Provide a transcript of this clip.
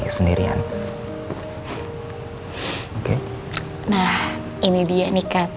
kamu udah aman